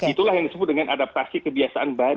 itulah yang disebut dengan adaptasi kebiasaan baru